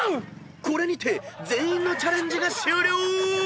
［これにて全員のチャレンジが終了］